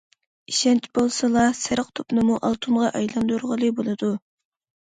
ئىشەنچ بولسىلا، سېرىق توپىنىمۇ ئالتۇنغا ئايلاندۇرغىلى بولىدۇ.